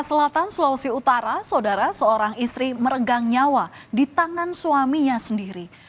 selatan sulawesi utara saudara seorang istri meregang nyawa di tangan suaminya sendiri